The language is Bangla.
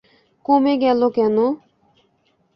কমে গেল কেন?